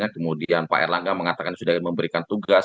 kemudian pak erlangga mengatakan sudah memberikan tugas